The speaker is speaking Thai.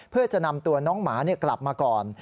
เพื่อจะนำตัวน้องหมากลับมาก่อน